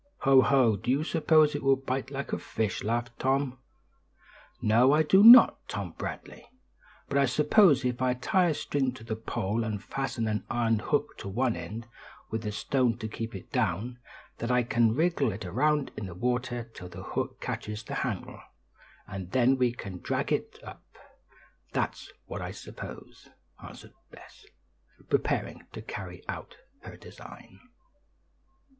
"Ho, ho! Do you suppose it will bite like a fish?" laughed Tom. "No, I do not, Tom Bradley. But I suppose if I tie a string to the pole, and fasten an iron hook to one end, with a stone to keep it down, that I can wiggle it round in the water till the hook catches in the handle, and then we can drag it up; that's what I suppose," answered Bess, preparing to carry out her design.